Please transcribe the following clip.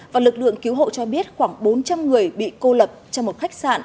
và lực lượng cứu hộ cho biết khoảng bốn trăm linh người bị cô lập trong một khách sạn